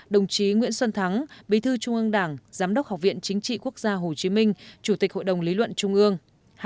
đồng chí nguyễn xuân thắng bí thư trung ương đảng giám đốc học viện chính trị quốc gia hồ chí minh chủ tịch hội đồng lý luận trung ương